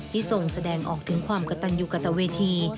ทรงแสดงออกถึงความกระตันยูกระตะเวที